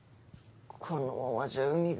このままじゃうみが。